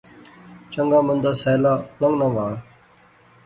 چنگا مندا سیلا لنگنا وہا